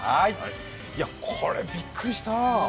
これ、びっくりした。